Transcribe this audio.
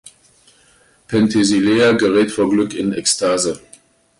Penthesilea gerät vor Glück in Ekstase.